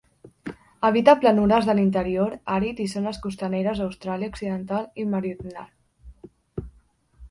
Habita planures de l'interior àrid i zones costaneres d'Austràlia occidental i meridional.